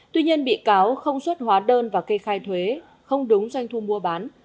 tuy nhiên bị cáo không xuất hóa đơn và kê khai thuế không đúng doanh thu mua bán